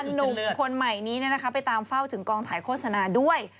หนุ่มคนใหม่นี้ไปตามเฝ้าถึงกองถ่ายโฆษณาด้วย